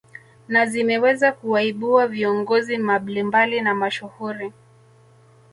Na zimeweza kuwaibua viongozi mablimbali na mashuhuri